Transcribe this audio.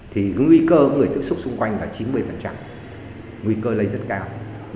thì nguy cơ người tiếp xúc xung quanh là chín mươi nguy cơ lây rất cao